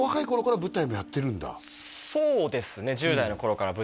元々そうですね